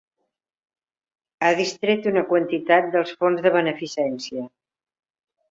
Ha distret una quantitat dels fons de beneficència.